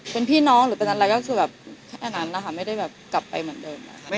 เป็นพี่น้องหรือเป็นอะไรก็คือแบบแค่นั้นนะคะไม่ได้แบบกลับไปเหมือนเดิมนะคะ